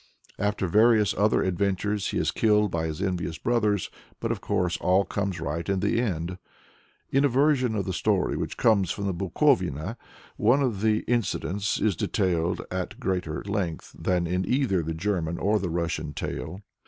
After various other adventures he is killed by his envious brothers, but of course all comes right in the end. In a version of the story which comes from the Bukovina, one of the incidents is detailed at greater length than in either the German or the Russian tale.